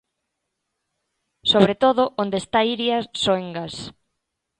Sobre todo, onde está Iria Soengas.